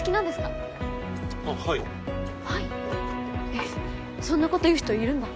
えっそんなこと言う人いるんだ。